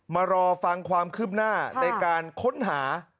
มารอฟังความคืบหน้าในการค้นหา